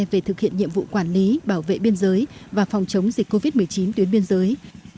về thực hiện nhiệm vụ quản lý bảo vệ biên giới và phòng chống dịch covid một mươi chín tuyến biên giới